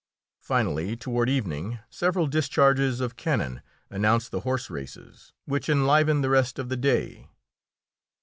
Finally, toward evening, several discharges of cannon announce the horse races, which enliven the rest of the day.